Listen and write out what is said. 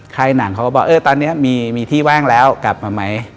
หนังเขาก็บอกเออตอนนี้มีที่ว่างแล้วกลับมาไหม